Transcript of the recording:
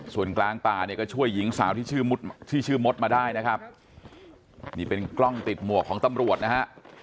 ส่วนกลางป่าเนี่ยก็ช่วยหญิงสาวที่ชื่อมดมาได้นะครับนี่เป็นกล้องติดหมวกของตำรวจนะฮะ